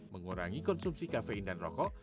mengurangi konsumsi kafein dan rokok